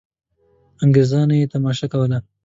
انګرېزانو یې تماشه کوله.